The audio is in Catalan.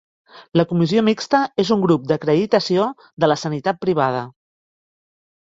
La Comissió mixta és un grup d'acreditació de la sanitat privada.